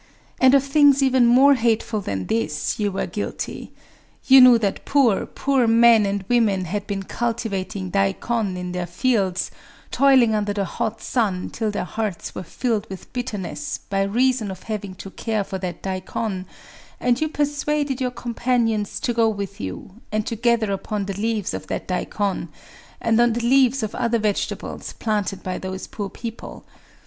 And of things even more hateful than this you were guilty. You knew that poor, poor men and women had been cultivating daikon (2) in their fields,—toiling under the hot sun till their hearts were filled with bitterness by reason of having to care for that daikon; and you persuaded your companions to go with you, and to gather upon the leaves of that daikon, and on the leaves of other vegetables planted by those poor people.